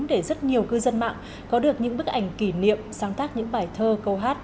để rất nhiều cư dân mạng có được những bức ảnh kỷ niệm sáng tác những bài thơ câu hát